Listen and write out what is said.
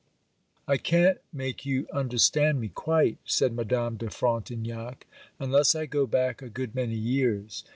'I can't make you understand me quite,' said Madame de Frontignac, 'unless I go back a good many years.